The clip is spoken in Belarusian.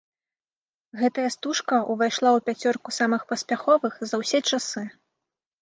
Гэтая стужка ўвайшла ў пяцёрку самых паспяховых за ўсе часы!